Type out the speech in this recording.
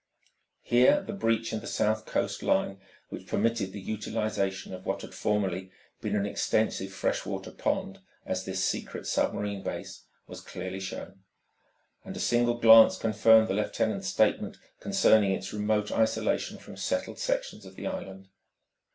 Here the breach in the south coast line which permitted the utilisation of what had formerly been an extensive fresh water pond as this secret submarine base, was clearly shown. And a single glance confirmed the lieutenant's statement concerning its remote isolation from settled sections of the island.